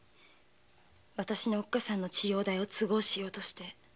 おっ母さんの治療代を都合しようとして。